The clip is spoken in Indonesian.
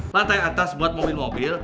lantai atas buat mobil mobil